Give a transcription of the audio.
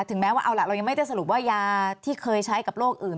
แม้ว่าเอาล่ะเรายังไม่ได้สรุปว่ายาที่เคยใช้กับโรคอื่น